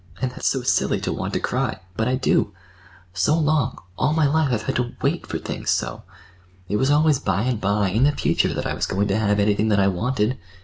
And that's so silly—to want to cry! But I do. So long—all my life—I've had to wait for things so. It was always by and by, in the future, that I was going to have—anything that I wanted.